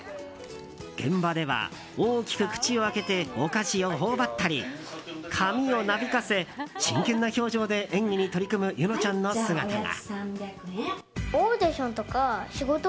現場では、大きく口を開けてお菓子を頬張ったり髪をなびかせ真剣な表情で演技に取り組む柚乃ちゃんの姿が。